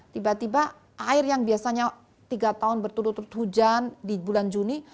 tiba tiba air yang biasanya tiga tahun berturut turut hujan di bulan juni